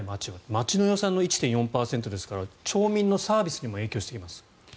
町の予算の１．４％ですから町民のサービスにも影響してきます。